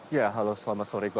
ya halo selamat sore